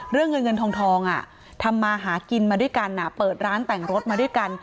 เรื่องเงินเงินทองทำมาหากินมาด้วยกันเปิดร้านแต่งรถมาด้วยกัน